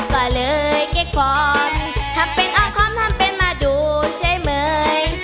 ก็เลยเก็บความทำเป็นออกคอมทำเป็นมาดูใช่มั้ย